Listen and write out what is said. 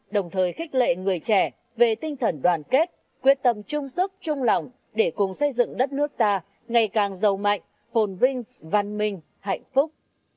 đồng thời khích lệ người trẻ về tinh thần đoàn kết quyết tâm chung sức chung lòng để cùng xây dựng đất nước ta ngày càng giàu mạnh phồn vinh văn minh hạnh phúc